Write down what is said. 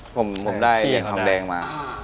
ผมได้เรียงความแดงมา